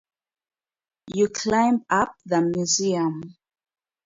You climb up to the museum.